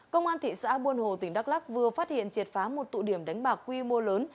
công an thị xã buôn hồ tỉnh đắk lắc vừa phát hiện triệt phá một tụ điểm đánh bạc quy mô lớn